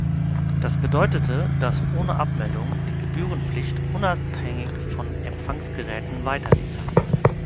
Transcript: Das bedeutete, dass ohne Abmeldung die Gebührenpflicht unabhängig von Empfangsgeräten weiterlief.